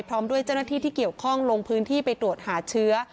พร้อมด้วยเจ้าหน้าที่ที่เกี่ยวข้องลงพื้นที่ไปตรวจหาเชื้อ